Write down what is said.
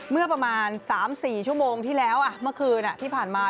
เมื่อประมาณ๓๔ชั่วโมงที่แล้วเมื่อคืนที่ผ่านมา